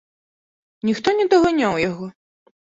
Ніхто не даганяў яго.